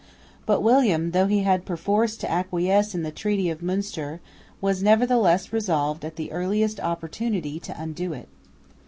But William, though he had perforce to acquiesce in the treaty of Münster, was nevertheless resolved at the earliest opportunity to undo it.